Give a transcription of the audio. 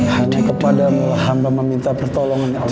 hanya kepadamu saya meminta pertolongan ya allah